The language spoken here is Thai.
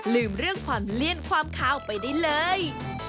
ลืมเรื่องความเลี่ยนความคาวไปได้เลย